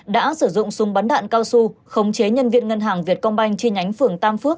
đã sử dụng súng bắn đạn cao su khống chế nhân viên ngân hàng việt công banh chi nhánh phường tam phước